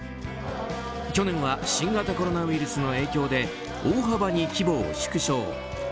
去年は新型コロナウイルスの影響で大幅に規模を縮小。